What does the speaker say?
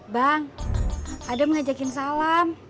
bang adam ngajakin salam